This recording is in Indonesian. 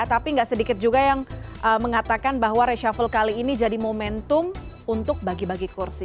tapi tidak sedikit juga yang mengatakan bahwa reshuffle kali ini jadi momentum untuk bagi bagi kursi